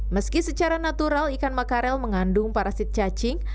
meski secara natural ikan makarel mengandung parasit cacing